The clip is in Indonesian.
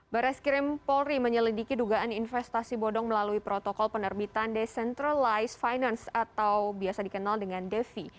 bares krim polri menyelidiki dugaan investasi bodong melalui protokol penerbitan decentralized finance atau biasa dikenal dengan defi